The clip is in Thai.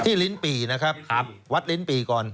ลิ้นปี่นะครับวัดลิ้นปี่ก่อน